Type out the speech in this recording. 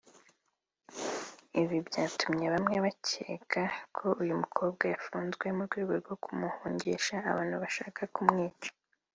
Ibi byatumye bamwe bakeka ko uyu mukobwa afunzwe mu rwego rwo kumuhungisha abantu bashaka kumwica